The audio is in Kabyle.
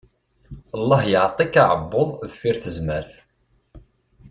Lleh yeɛṭi-k aɛebbuḍ deffir tezmert!